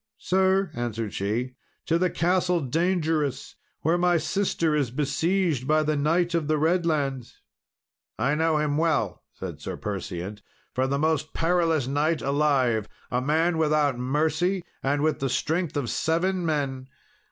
"Sir," answered she, "to the Castle Dangerous, where my sister is besieged by the Knight of the Redlands." "I know him well," said Sir Perseant, "for the most perilous knight alive a man without mercy, and with the strength of seven men.